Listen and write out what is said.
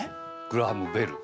グラハム・ベル。